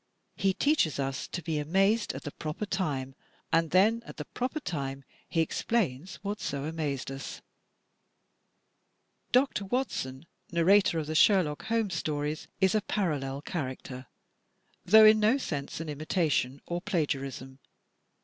He teaches us to be amazed at the proper time and then at the proper time he explains what so amazed us. Dr. Watson, narrator of the Sherlock Holmes stories, is a parallel character, though in no sense an imitation or 286 THE TECHNIQUE OF THE MYSTERY STORY plagiarism.